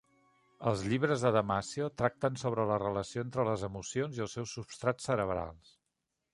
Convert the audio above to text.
Els llibres de Damasio tracten sobre la relació entre les emocions i els seus substrats cerebrals.